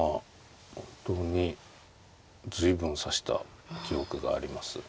本当に随分指した記憶があります。